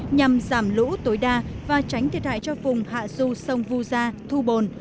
nhằm giảm lũ tối đa và tránh thiệt hại cho vùng hạ du sông vu gia thu bồn